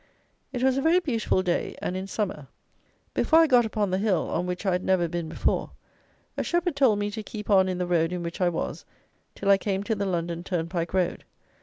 It was a very beautiful day and in summer. Before I got upon the hill (on which I had never been before), a shepherd told me to keep on in the road in which I was, till I came to the London turnpike road.